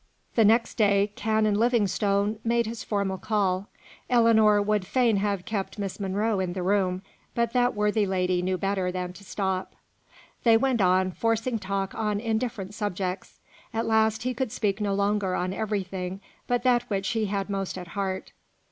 The next day, Canon Livingstone made his formal call. Ellinor would fain have kept Miss Monro in the room, but that worthy lady knew better than to stop. They went on, forcing talk on indifferent subjects. At last he could speak no longer on everything but that which he had most at heart.